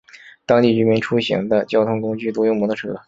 当地居民出行的交通工具多用摩托车。